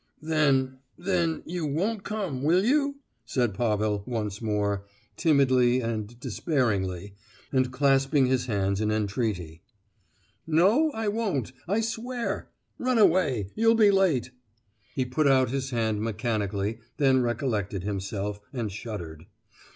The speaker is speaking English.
"Then—then—you won't come, will you?" said Pavel once more, timidly and despairingly, and clasping his hands in entreaty. "No—I won't—I swear!—run away—you'll be late!" He put out his hand mechanically, then recollected himself, and shuddered.